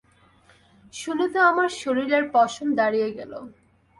শুনে তো আমার শরীরের পশম দাঁড়িয়ে গেল!